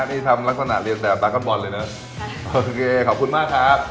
นี่ทำลักษณะเรียนแบบปาร์ตบอลเลยนะโอเคขอบคุณมากครับ